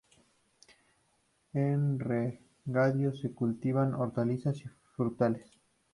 En regadío se cultivan hortalizas y frutales.